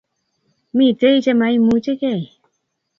Mitei chemaiumuchikei